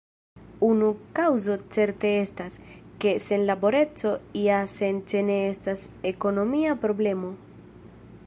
Unu kaŭzo certe estas, ke senlaboreco iasence ne estas ekonomia problemo.